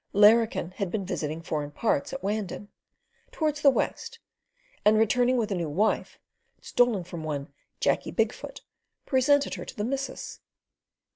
"Larrikin" had been visiting foreign parts at Wandin, towards the west, and returning with a new wife, stolen from one "Jacky Big Foot," presented her to the missus.